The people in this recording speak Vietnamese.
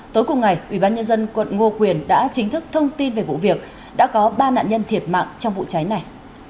tối cùng ngày ủy ban nhân dân quận ngô quyền đã chính thức thông tin về vụ việc đã có ba nạn nhân thiệt mạng trong vụ cháy này